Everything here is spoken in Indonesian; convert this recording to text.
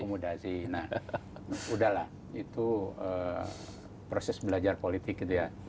nah udah lah itu proses belajar politik gitu ya